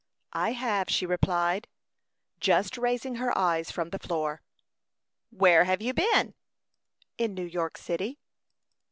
"I have," she replied, just raising her eyes from the floor. "Where have you been?" "In New York city."